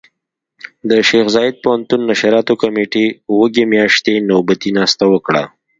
د شيخ زايد پوهنتون نشراتو کمېټې وږي مياشتې نوبتي ناسته وکړه.